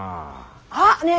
あっねえ